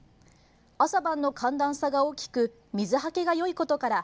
朝晩の寒暖差が大きく水はけがよいことから